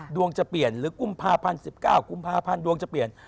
ดวงจะเปลี่ยนหรือกุมภาพันธ์๑๙กุมภาพันธ์ดวงจะเปลี่ยน